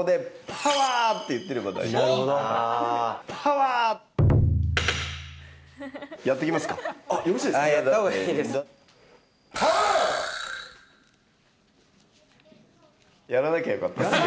パワー。やらなきゃよかったですね。